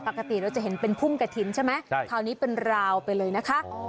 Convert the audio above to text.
ปกติเราจะเห็นเป็นพุ่มกระถิ่นใช่ไหมคราวนี้เป็นราวไปเลยนะคะ